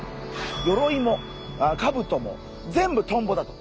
よろいもかぶとも全部トンボだと。